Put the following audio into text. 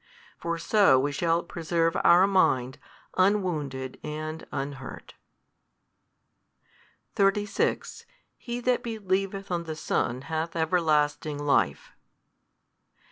For so we shall preserve our mind unwounded and unhurt. 36 He that believeth on the Son hath everlasting life.